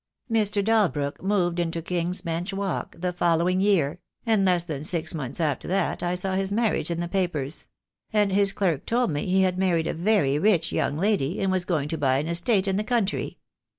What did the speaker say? Mr. Dalbrook moved into King's Bench Walk the following year, and less than six months after that I saw his marriage in the papers; and his clerk told me he had married a very rich young lady, and was going to buy an estate in the country.